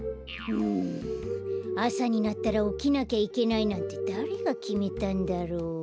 んあさになったらおきなきゃいけないなんてだれがきめたんだろう。